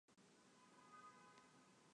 该队采用红黑相间横条队服。